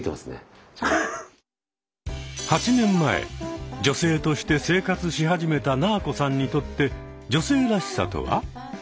８年前女性として生活し始めたなぁこさんにとって女性らしさとは？